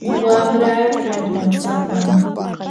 wamraa kallpasapam.